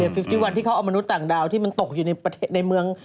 เออแอรียอ๕๑ที่เขาเอามนุษย์ต่างดาวที่มันตกอยู่ในเมือง